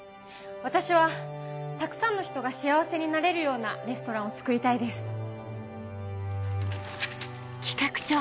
私はたくさんの人が幸せになれるようなレストランをつくりたいです